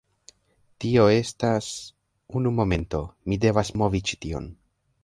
Tio estas… unu momento, mi devas movi ĉi tion.